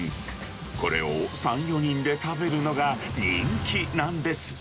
これを３、４人で食べるのが人気なんです。